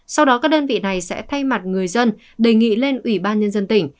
sau đó các đơn vị này sẽ thay mặt người dân đề nghị lên ủy ban nhân dân tỉnh